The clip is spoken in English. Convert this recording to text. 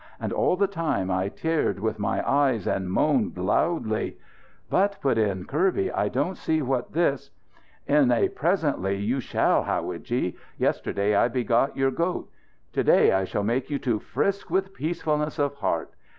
And all the time I teared with my eyes and moaned aloudly. "But," put in Kirby, "I don't see what this " "In a presently you shall, howadji. Yesterday I begot your goat. To day I shall make you to frisk with peacefulness of heart.